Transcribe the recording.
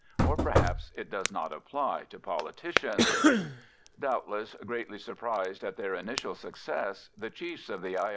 Or perhaps it does not apply to politicians! Doubtless greatly surprised at their initial success, the chiefs of the I.